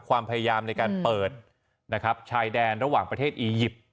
ความพยายามในการเปิดนะครับชายแดนระหว่างประเทศอียิปต์